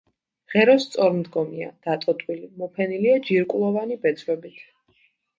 ღერო სწორმდგომია, დატოტვილი, მოფენილია ჯირკვლოვანი ბეწვებით.